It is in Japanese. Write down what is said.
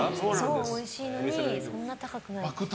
おいしいのにそんなに高くない。